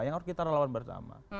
yang harus kita relawan bersama